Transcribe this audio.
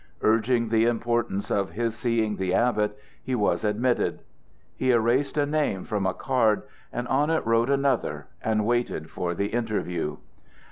Urging the importance of his seeing the abbot, he was admitted. He erased a name from a card and on it wrote another, and waited for the interview.